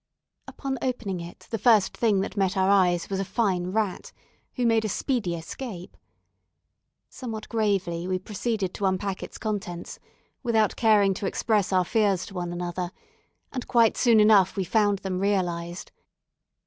Upon opening it the first thing that met our eyes was a fine rat, who made a speedy escape. Somewhat gravely, we proceeded to unpack its contents, without caring to express our fears to one another, and quite soon enough we found them realized.